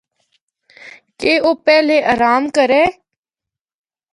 کہ او پہلے آرام کرّے۔